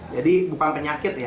jadi bukan penyakit ya